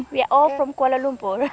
kita semua dari kuala lumpur